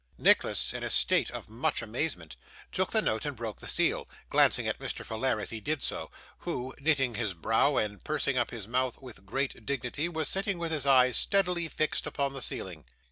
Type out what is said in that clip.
Nicholas, in a state of much amazement, took the note and broke the seal, glancing at Mr. Folair as he did so, who, knitting his brow and pursing up his mouth with great dignity, was sitting with his eyes steadily fixed upon the ceiling.